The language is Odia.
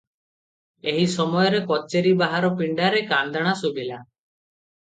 ଏହି ସମୟରେ କଚେରୀ ବାହାର ପିଣ୍ଡାରେ କାନ୍ଦଣା ଶୁଭିଲା ।